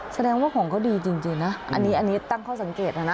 แสดงว่าของเขาดีจริงนะอันนี้อันนี้ตั้งข้อสังเกตนะนะ